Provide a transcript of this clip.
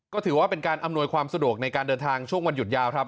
ก็ถือว่าเป็นการอำนวยความสะดวกในการเดินทางช่วงวันหยุดยาวครับ